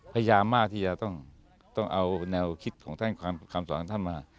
พยายามมากที่จะต้องเอาแนวคิดของท่านคำสอนของท่านมา